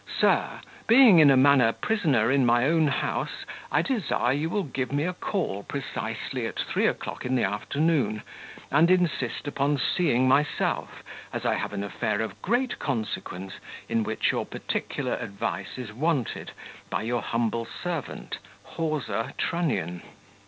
Sir, Being in a manner prisoner in my own house, I desire you will give me a call precisely at three o'clock in the afternoon, and insist upon seeing myself, as I have an affair of great consequence, in which your particular advice is wanted by your humble servant, "Hawser Trunnion."